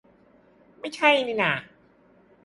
ไม่ใช่นี่นา